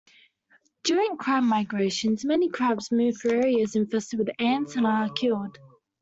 During crab migrations, many crabs move through areas infested with ants and are killed.